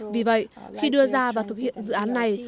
vì vậy khi đưa ra và thực hiện dự án này